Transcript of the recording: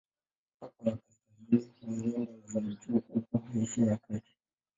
Mpaka wa kaskazini wa nyanda za juu upo Asia ya Kati.